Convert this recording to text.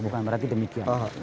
bukan berarti demikian